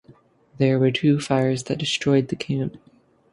There were two fires that destroyed the camp.